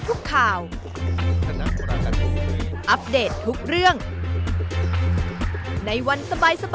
ทุกวันหยุดเสาร์อันอิสต์